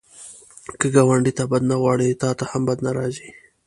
که ګاونډي ته بد نه غواړې، تا ته هم بد نه راځي